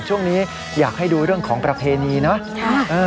ช่วงนี้อยากให้ดูเรื่องของประเพณีเนอะ